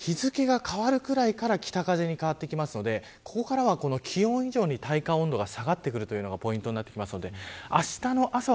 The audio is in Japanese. ただ日付が変わるくらいから北風に変わってくるんでここからは気温以上に体感温度が下がってくるというのがポイントです。